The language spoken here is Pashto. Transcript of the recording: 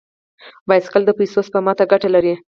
بایسکل د پیسو سپما ته ګټه لري.